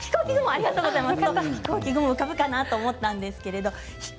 ありがとうございます。